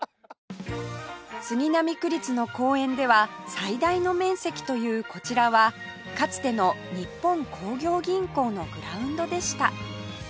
杉並区立の公園では最大の面積というこちらはかつての日本興業銀行のグラウンドでした